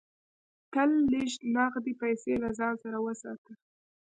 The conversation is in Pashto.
تل لږ نغدې پیسې له ځان سره وساته.